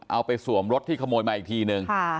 เอาไปสวมรถที่ขโมยมาอีกทีนึง